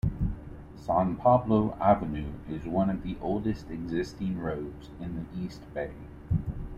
San Pablo Avenue is one of the oldest existing roads in the East Bay.